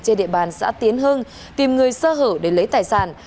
trên địa bàn xã tiến hưng tìm người sơ hở để lấy tài sản